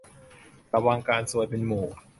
ควรระวังการซวยเป็นหมู่